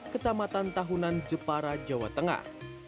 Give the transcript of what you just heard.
kecamatan tahunan jepara jawa tengah